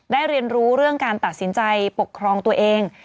เรียนรู้เรื่องการตัดสินใจปกครองตัวเอง